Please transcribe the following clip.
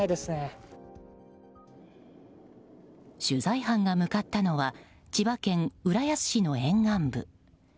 取材班が向かったのは千葉県浦安市の沿岸部。